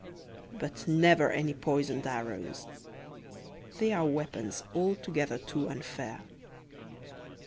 But never any poisoned arrows they are weapons altogether too unfair.